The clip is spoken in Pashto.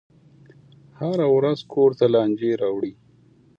هره ورځ کور ته لانجې راوړي.